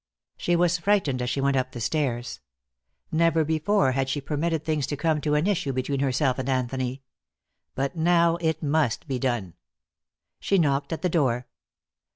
She was frightened as she went up the stairs. Never before had she permitted things to come to an issue between herself and Anthony. But now it must be done. She knocked at the door.